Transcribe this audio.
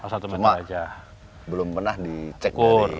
cuma belum pernah dicek